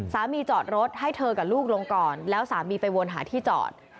จอดรถให้เธอกับลูกลงก่อนแล้วสามีไปวนหาที่จอด